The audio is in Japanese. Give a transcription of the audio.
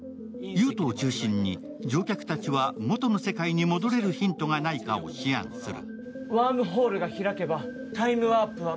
優斗を中心に乗客たちは元の世界に戻れるヒントがないかを思案する。